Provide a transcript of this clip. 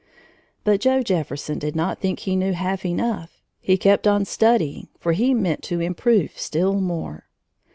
But Joe Jefferson did not think he knew half enough. He kept on studying for he meant to improve still more.